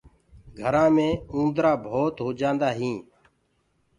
گھرآنٚ مي اُندرآ ڀوت هوجآندآ هينٚ